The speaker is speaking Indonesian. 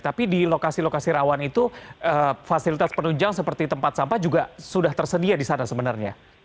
tapi di lokasi lokasi rawan itu fasilitas penunjang seperti tempat sampah juga sudah tersedia di sana sebenarnya